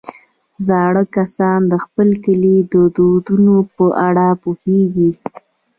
زاړه کسان د خپل کلي د دودونو په اړه پوهېږي